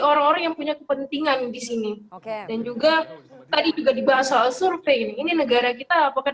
orang orang yang punya kepentingan di sini oke dan juga tadi juga dibahas soal survei ini negara kita apakah